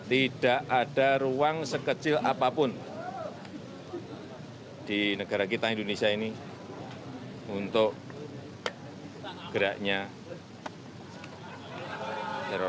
tidak ada ruang sekecil apapun di negara kita indonesia ini untuk geraknya terorisme